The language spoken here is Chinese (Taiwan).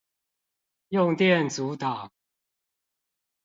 用電阻檔